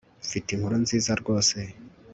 Mfite inkuru nziza rwose